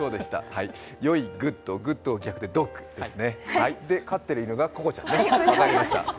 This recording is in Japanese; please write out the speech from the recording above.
良い、グッド、グッドの逆でドッグでで、飼ってる犬がココちゃんね、分かりました。